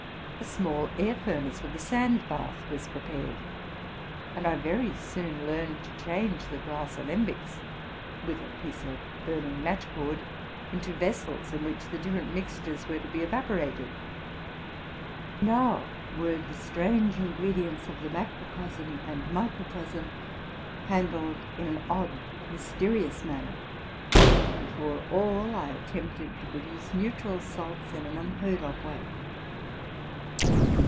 A small air furnace with a sand bath was prepared ; and I very soon learned to change the glass alem bies, with a piece of burning match cord, into vessels in which the different mixtures were to be evaporated. Now were the strange ingredients of the macrocosm and micro cosm handled in an odd, mysterious manner; and, before all, I attempted to produce neutral salts in an unheard of way.